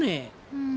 うん。